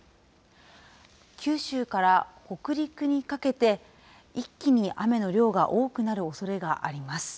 九州から北陸にかけて、一気に雨の量が多くなるおそれがあります。